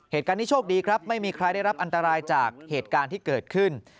เหตุการณ์นี้โชคดีครับไม่มีใครได้รับอันตรายจากเหตุการณ์ที่เกิดขึ้น